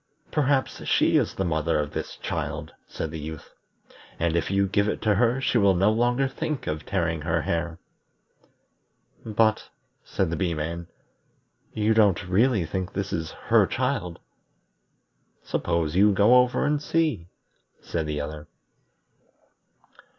"Perhaps she is the mother of this child," said the Youth, "and if you give it to her she will no longer think of tearing her hair." "But," said the Bee man, "you don't really think this is her child?" "Suppose you go over and see," said the other.